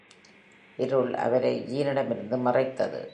இருள் அவரை ஜீனிடமிருந்து மறைத்தது.